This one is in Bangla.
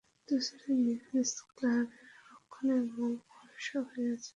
দুজনই নিজ নিজ ক্লাবের রক্ষণের মূল ভরসা হয়ে আছেন অনেক দিন থেকেই।